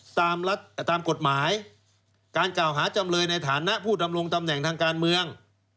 ตามกฎหมายการกล่าวหาจำเลยในฐานะผู้ดำรงตำแหน่งทางการเมือง